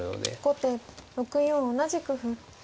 後手６四同じく歩。